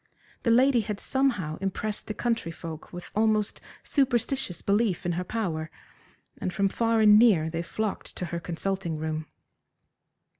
The lady had somehow impressed the country folk with almost superstitious belief in her power, and from far and near they flocked to her consulting room.